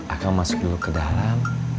akan masuk dulu ke dalam